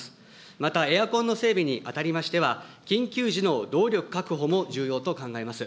またエアコンの整備にあたりましては、緊急時の動力確保も重要と考えます。